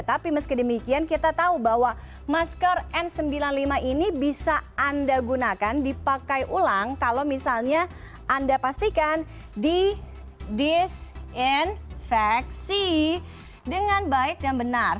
tapi meski demikian kita tahu bahwa masker n sembilan puluh lima ini bisa anda gunakan dipakai ulang kalau misalnya anda pastikan di disinfeksi dengan baik dan benar